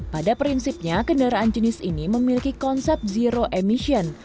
pada prinsipnya kendaraan jenis ini memiliki konsep zero emission